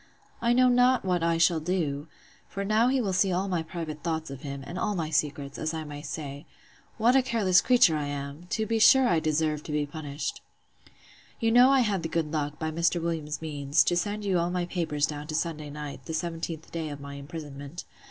I know not what I shall do! For now he will see all my private thoughts of him, and all my secrets, as I may say. What a careless creature I am!—To be sure I deserve to be punished. You know I had the good luck, by Mr. Williams's means, to send you all my papers down to Sunday night, the 17th day of my imprisonment.